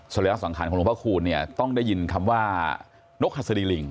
ระยะสังขารของหลวงพระคูณเนี่ยต้องได้ยินคำว่านกหัสดีลิง